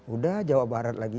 udah jawa barat lagi